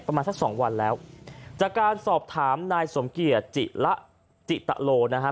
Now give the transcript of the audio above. ประมาณสักสองวันแล้วจากการสอบถามนายสมเกียจจิระจิตโลนะฮะ